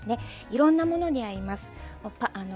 いろんなものに合います。